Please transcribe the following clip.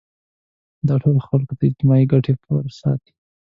دا ټول د خلکو اجتماعي ګټې پرې ساتي.